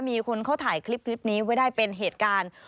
มีคนเขาถ่ายคลิปนี้ไว้ได้เป็นเหตุการณ์